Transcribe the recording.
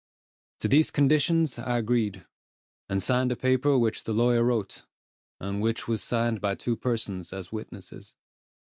To these conditions I agreed, and signed a paper which the lawyer wrote, and which was signed by two persons as witnesses.